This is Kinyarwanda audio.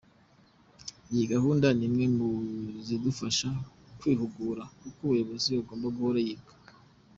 Iyi gahunda ni imwe mu zidufasha kwihugura, kuko umuyobozi agomba guhora yiga.